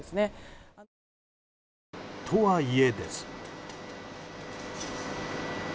とはいえ、です。